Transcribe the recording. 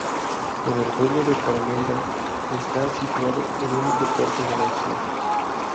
En el pueblo de Palmeira está situado el único puerto de la isla.